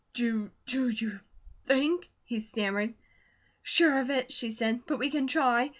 "Do you think ?" he stammered. "Sure of it!" she said, "but we can try.